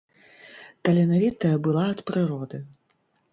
Таленавітая была ад прыроды.